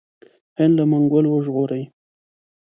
هند له منګولو وژغوري.